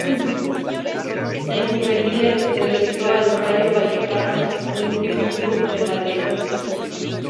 En juveniles regresó al Rayo Vallecano, su último club en Madrid.